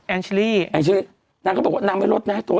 แอร์ชิลลี่แอร์ชิลลี่นางก็บอกว่านางไม่รถนะ